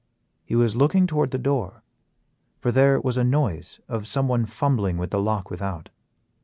He was looking toward the door, for there was a noise of someone fumbling with the lock without.